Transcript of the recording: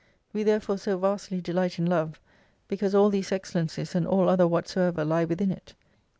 We therefore so vastly delight in Love, because all these excellencies and all other whatsoever lie within it.